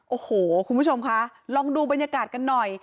โอ้โหคุณผู้ชมคะลองดูบรรยากาศกันหน่อย